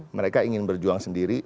mereka ingin berjuang sendiri